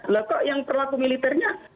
lah kok yang pelaku militernya